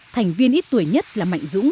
thành viên ít tuổi nhất là mạnh dũng